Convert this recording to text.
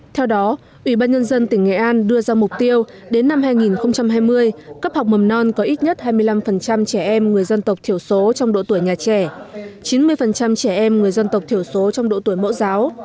theo đó ủy ban nhân dân tỉnh nghệ an đưa ra mục tiêu đến năm hai nghìn hai mươi cấp học mầm non có ít nhất hai mươi năm trẻ em người dân tộc thiểu số trong độ tuổi nhà trẻ chín mươi trẻ em người dân tộc thiểu số trong độ tuổi mẫu giáo